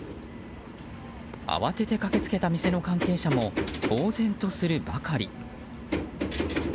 慌てて駆け付けた店の関係者もぼうぜんとするばかり。